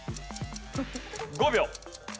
５秒。